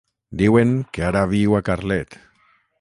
Diuen que ara viu a Carlet.